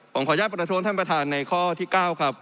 ผมขออนุญาตประท้วงท่านประธานในข้อที่๙ครับ